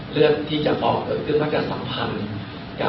เลือดที่จะออกเกิดจะคือมักจะสัมพันธ์